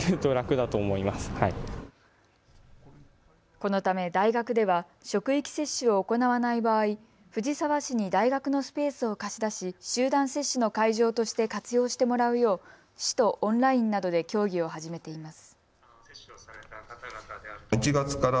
このため大学では職域接種を行わない場合、藤沢市に大学のスペースを貸し出し、集団接種の会場として活用してもらうよう市とオンラインなどで協議を始めています。